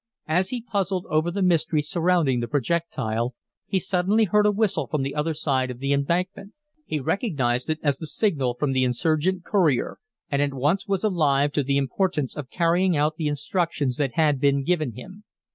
As he puzzled over the mystery surrounding the projectile he suddenly heard a whistle from the other side of the embankment. He recognized it as the signal from the insurgent courier, and at once was alive to the importance of carrying out the instructions that had been given him.